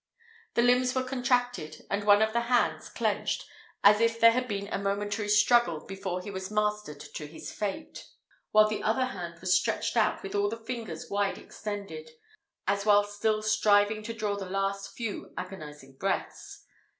The limbs were contracted, and one of the hands clenched, as if there had been a momentary struggle before he was mastered to his fate; while the other hand was stretched out, with all the fingers wide extended, as while still striving to draw the last few agonizing breaths.